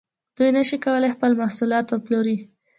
دوی نشي کولای خپل محصولات وپلوري